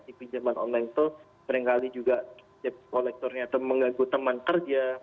di pinjaman online itu seringkali juga kolektornya itu mengganggu teman kerja